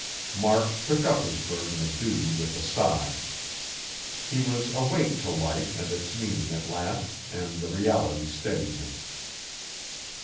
Mark took up his burden of duty with a sigh. He was awake to life and its meaning at last, and the reality steadied him.